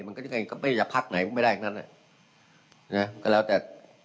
มันก็ไม่พักหายก็ไม่ได้อีกหน้านี้